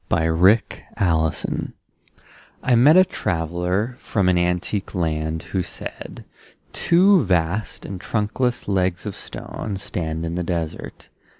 Y Z Ozymandias I MET a traveller from an antique land Who said: Two vast and trunkless legs of stone Stand in the desert